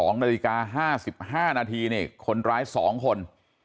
๑๒นาทีกา๕๕นาทีคนร้าย๒คน